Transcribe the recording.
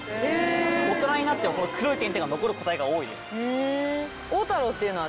大人になってもこの黒い点々が残る個体が多いです。